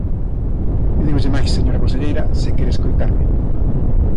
E dígolle máis, señora conselleira, se quere escoitarme.